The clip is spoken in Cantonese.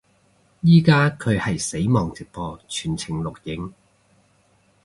依家佢係死亡直播全程錄影